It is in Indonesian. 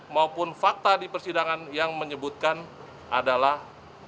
maupun fakta di persidangan yang menyebutkan adalah